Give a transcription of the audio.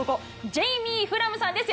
ジェイミー・フラムさんです